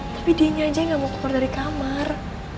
tapi dia aja gak mau keluar dari kamar